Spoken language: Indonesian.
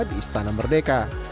di istana merdeka